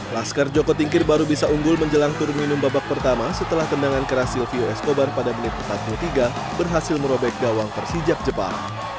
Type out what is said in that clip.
laskar joko tinkir baru bisa unggul menjelang turun minum babak pertama setelah tendangan keras silvio escobar pada menit satu tiga berhasil merobek gawang persijap jepara